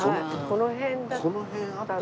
この辺だった。